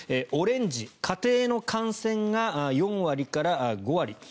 オレンジ、家庭の感染が４割から５割。